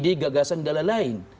ide ide gagasan dalam lain